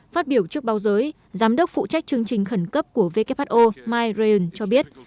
phát biểu trước báo giới giám đốc phụ trách chương trình khẩn cấp của who mike ryan cho biết